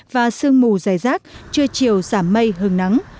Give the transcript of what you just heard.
và sương mù dài rác trưa chiều giảm mây hứng nắng